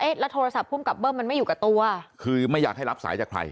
แล้วโทรศัพท์ภูมิกับเบิ้มมันไม่อยู่กับตัวคือไม่อยากให้รับสายจากใคร